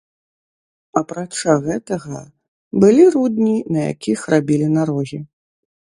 Апрача гэтага, былі рудні, на якіх рабілі нарогі.